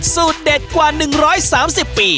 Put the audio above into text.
สูตรเด็ดกว่า๑๓๐ปี